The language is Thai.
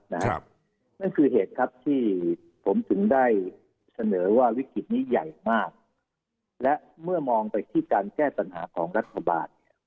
นั่นคือเหตุครับที่ผมถึงได้เสนอว่าวิกฤตนี้ใหญ่มากและเมื่อมองไปที่การแก้ปัญหาของรัฐบาลเนี่ย